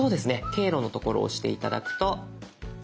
「経路」のところを押して頂くと。